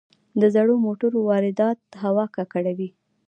د زړو موټرو واردات هوا ککړوي.